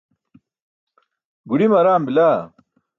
gudime araam bila